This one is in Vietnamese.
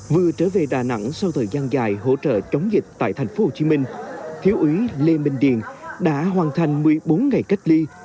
vừa trở về đà nẵng sau thời gian dài hỗ trợ chống dịch tại tp hcm thiếu úy lê minh điền đã hoàn thành một mươi bốn ngày cách ly